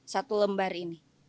satu lembar ini